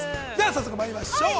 早速まいりましょう。